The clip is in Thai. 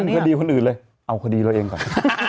อย่าไปยุ่งคดีคนอื่นเลยเอาคดีเราเองก่อน